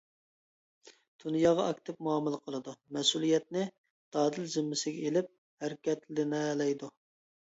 دۇنياغا ئاكتىپ مۇئامىلە قىلىدۇ، مەسئۇلىيەتنى دادىل زىممىسىگە ئېلىپ، ھەرىكەتلىنەلەيدۇ.